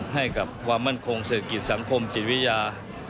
ให้กับความมั่นคงศึกษ์สังคมจิตวิญญา